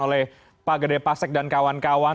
oleh pak gede pasek dan kawan kawan